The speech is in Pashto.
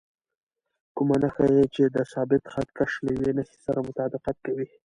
کومه نښه یې چې د ثابت خط کش له یوې نښې سره مطابقت کوي.